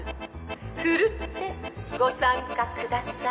奮ってご参加ください。